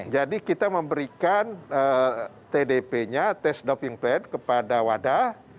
jadi kita memberikan tdp nya test doping plan kepada wada